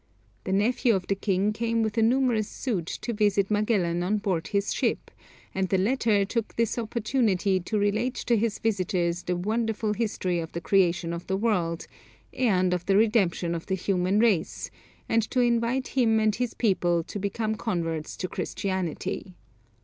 The nephew of the king came with a numerous suite to visit Magellan on board his ship, and the latter took this opportunity to relate to his visitors the wonderful history of the creation of the world, and of the redemption of the human race, and to invite him and his people to become converts to Christianity.